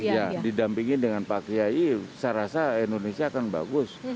ya didampingin dengan pak kiai saya rasa indonesia akan bagus